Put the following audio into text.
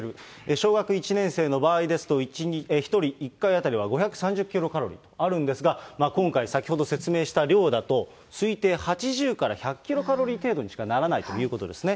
小学１年生の場合ですと、１人１回当たりは５３０キロカロリーあるんですが、今回、先ほど説明した量だと、推定８０から１００キロカロリー程度にしかならないということですね。